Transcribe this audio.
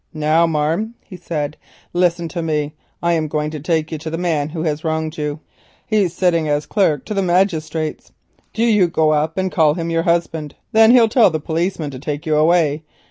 "Now, marm," he said, "listen to me; I'm a going to take you to the man as hev wronged you. He's sitting as clerk to the magistrates. Do you go up and call him your husband. Thin he'll tell the policeman to take you away.